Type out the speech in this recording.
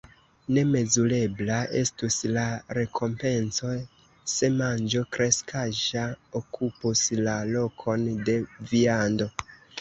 Nemezurebla estus la rekompenco, se manĝo kreskaĵa okupus la lokon de viando.